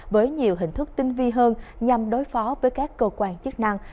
với nhiều hình thức tinh vi hơn nhằm đối phó với các cơ quan chức năng